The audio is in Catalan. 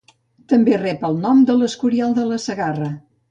També rep el nom de l'Escorial de la Segarra.